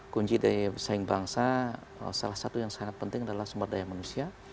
kunci daya saing bangsa salah satu yang sangat penting adalah sumber daya manusia